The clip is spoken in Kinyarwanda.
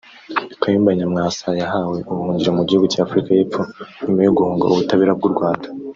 Kayumba Nyamwasa yahawe ubuhungiro mu gihugu cy Afurika y’epfo nyuma yo guhunga ubutabera bw’u Rwanda